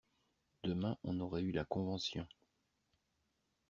Demain, on aurait eu la Convention.